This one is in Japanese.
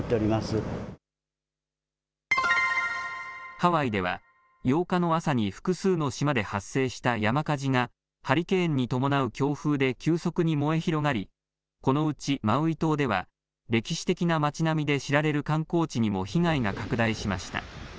ハワイでは、８日の朝に複数の島で発生した山火事がハリケーンに伴う強風で急速に燃え広がりこのうちマウイ島では歴史的な町並みで知られる観光地にも被害が拡大しました。